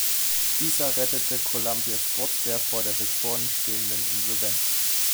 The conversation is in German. Dieser rettete Columbia Sportswear vor der bevorstehenden Insolvenz.